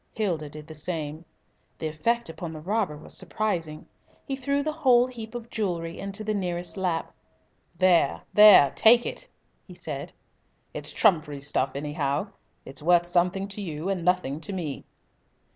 Hilda did the same. The effect upon the robber was surprising. He threw the whole heap of jewellery into the nearest lap. "There! there! Take it!" he said. "It's trumpery stuff, anyhow. It's worth something to you, and nothing to me."